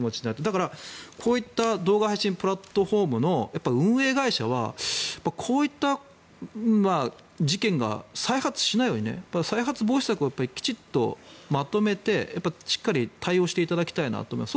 だから、こういった動画配信プラットフォームの運営会社はこういった事件が再発しないように再発防止策をきちんとまとめてしっかり対応していただきたいなと思います。